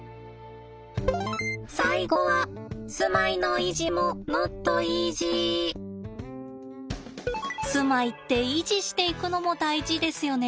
最後は住まいって維持していくのも大事ですよね。